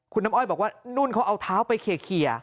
คุณน้ำอ้อยบอกว่านุ่นเขาเอาเท้าไปเคลียร์